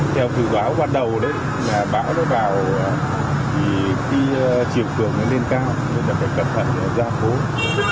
theo cử báo ban đầu đấy bão nó vào thì khi chiều cường nó lên cao thì phải cẩn thận ra cố tránh cái nước tràn vào nhà